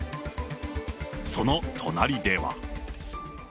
その隣では。